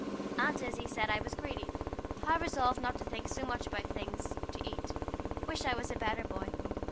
Aunt Issy said I was gredy. Have resollved not to think so much about things to ete. Wish I was a beter boy.